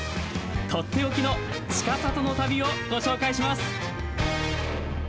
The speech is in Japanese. とっておきのちかさとの旅をご紹介します。